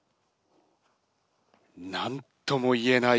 何とも言えない